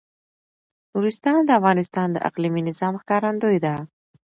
نورستان د افغانستان د اقلیمي نظام ښکارندوی ده.